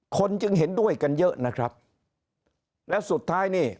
คนจึงเห็นด้วยกันเยอะนะครับแล้วสุดท้ายนี่